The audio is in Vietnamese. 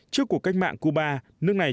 trước cuộc cách mạng cuba nước này